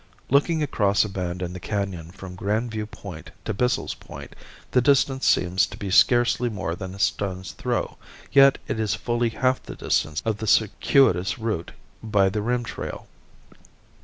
Looking across a bend in the canon from Grand View Point to Bissell's Point the distance seems to be scarcely more than a stone's throw, yet it is fully half the distance of the circuitous route by the rim trail.